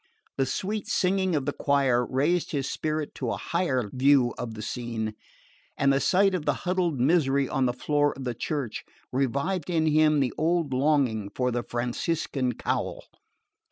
The sweet singing of the choir raised his spirit to a higher view of the scene; and the sight of the huddled misery on the floor of the church revived in him the old longing for the Franciscan cowl.